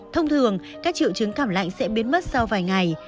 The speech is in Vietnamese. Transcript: thông thường các triệu chứng cảm lạnh sẽ biến mất sau vài ngày